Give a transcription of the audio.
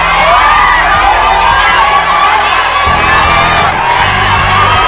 กลุ่มกระพาย